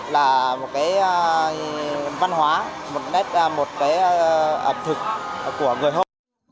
là một cái văn hóa một nét ẩm thực của người hôn